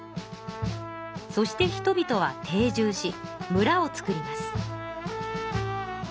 そして人々は定住しむらをつくります。